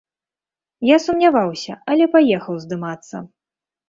Я сумняваўся, але паехаў здымацца.